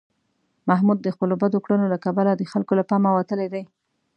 محمود د خپلو بدو کړنو له کبله د خلکو له پامه وتلی دی.